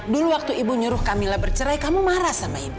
dulu waktu ibu nyuruh kamila bercerai kamu marah sama ibu